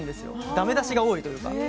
だめ出しが多いというか。